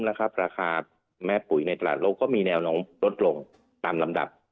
ราคาแม้ปุ๋ยในตลาดโลกก็มีแนวโน้มลดลงตามลำดับ